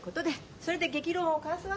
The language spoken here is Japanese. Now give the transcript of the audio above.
それで激論を交わすわけだ？